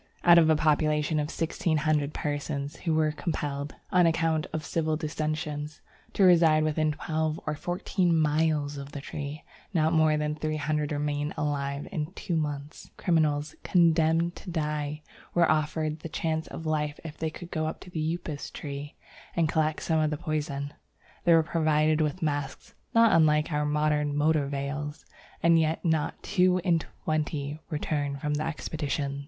Out of a population of sixteen hundred persons who were compelled, on account of civil dissensions, to reside within twelve or fourteen miles of the tree, not more than three hundred remained alive in two months. Criminals condemned to die were offered the chance of life if they would go to the Upas tree and collect some of the poison. They were provided with masks (not unlike our modern motor veils), and yet not two in twenty returned from the expedition.